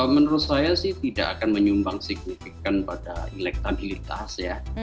menurut saya sih tidak akan menyumbang signifikan pada elektabilitas ya